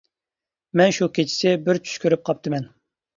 مەن شۇ كېچىسى بىر چۈش كۆرۈپ قاپتىمەن.